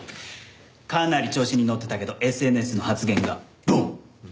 かなり調子に乗ってたけどＳＮＳの発言がボン！